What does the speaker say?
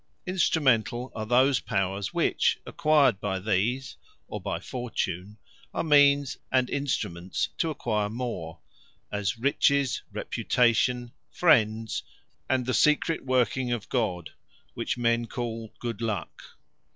Instrumentall are those Powers, which acquired by these, or by fortune, are means and Instruments to acquire more: as Riches, Reputation, Friends, and the Secret working of God, which men call Good Luck.